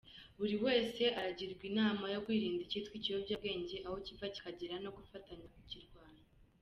Buri wese aragirwa inama yo kwirinda ikitwa ikiyobyabwenge aho kiva kikagera no gufatanya kukirwanya.